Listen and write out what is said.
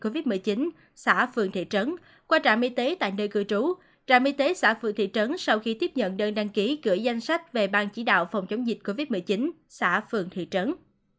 covid một mươi chín xã phường thị trấn qua trạm y tế tại nơi cư trú trạm y tế xã phường thị trấn sau khi tiếp nhận đơn đăng ký gửi danh sách về bang chỉ đạo phòng chống dịch covid một mươi chín xã phường thị trấn